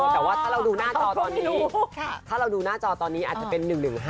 แต่ว่าถ้าเราดูหน้าจอตอนนี้อาจจะเป็น๑๑๕